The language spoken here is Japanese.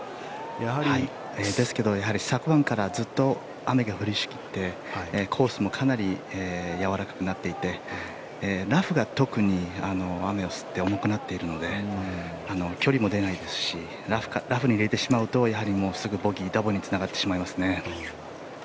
ですけど、昨晩からずっと雨が降りしきってコースもかなりやわらかくなっていてラフが特に雨を吸って重くなっているので距離も出ないですしラフに入れてしまうとやはりもう、すぐにボギーダボにつながってしまいますね。